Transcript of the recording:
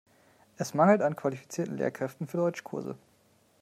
Es mangelt an qualifizierten Lehrkräften für Deutschkurse.